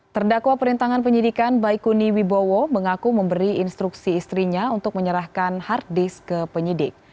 terdakwa perintangan penyidikan baikuni wibowo mengaku memberi instruksi istrinya untuk menyerahkan hard disk ke penyidik